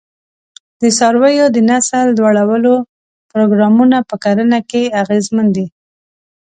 د څارویو د نسل لوړولو پروګرامونه په کرنه کې اغېزمن دي.